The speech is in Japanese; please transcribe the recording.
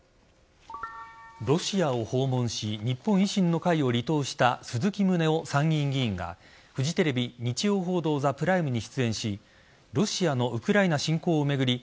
ロシアを訪問し日本維新の会を離党した鈴木宗男参議院議員がフジテレビ「日曜報道ＴＨＥＰＲＩＭＥ」に出演しロシアのウクライナ侵攻を巡り